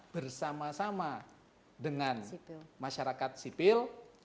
bersama sama dengan masyarakat sipil